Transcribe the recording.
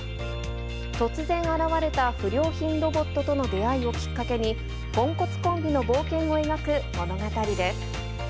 突然現れた不良品ロボットとの出会いをきっかけに、ポンコツコンビの冒険を描く物語です。